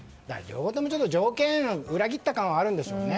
両方とも裏切った感はあるんでしょうね。